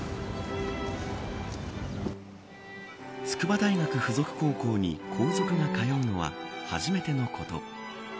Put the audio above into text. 筑波大学附属高校に皇族が通うのは初めてのこと。